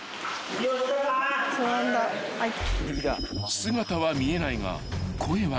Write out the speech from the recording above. ［姿は見えないが］